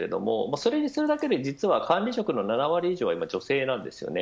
それにするだけで管理職の７割以上が今は女性です。